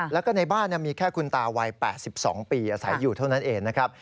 แล้วก็ในบ้านมีแค่คุณตาวัย๘๒ปีอาศัยอยู่เท่านั้นเองนะครับ